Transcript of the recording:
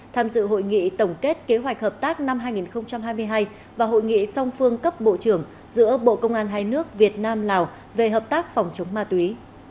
tham dự hội nghị tổng kết kế hoạch hợp tác năm hai nghìn hai mươi hai và hội nghị song phương cấp bộ trưởng giữa bộ công an hai nước việt nam lào về hợp tác phòng chống ma túy